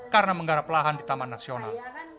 karena menggarap lahan di taman nasional